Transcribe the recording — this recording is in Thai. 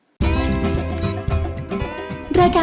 ร้องได้ให้ร้าน